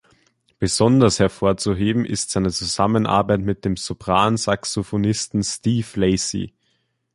Besonders hervorzuheben ist seine Zusammenarbeit mit dem Sopran-Saxofonisten Steve Lacy.